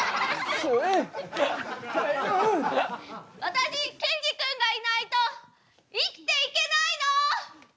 私ケンジ君がいないと生きていけないの！